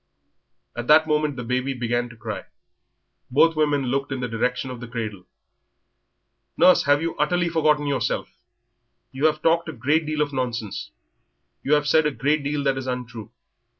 At that moment the baby began to cry; both women looked in the direction of the cradle. "Nurse, you have utterly forgotten yourself, you have talked a great deal of nonsense, you have said a great deal that is untrue.